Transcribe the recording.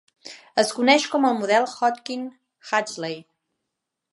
Es coneix com el model Hodgkin-Huxley.